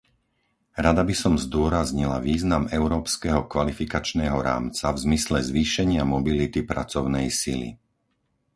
Rada by som zdôraznila význam európskeho kvalifikačného rámca v zmysle zvýšenia mobility pracovnej sily.